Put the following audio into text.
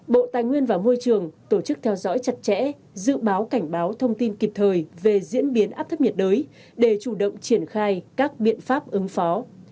bộ tài nguyên và môi trường tổ chức theo dõi chặt chẽ dự báo cảnh báo thông tin kịp thời về diễn biến áp thấp nhiệt đới để chủ động triển khai các biện pháp ứng phó